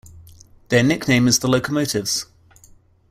Their nickname is the Locomotives.